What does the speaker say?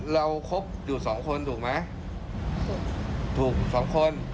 เราครบอยู่สองคนถูกไหมถูกถูกสองคน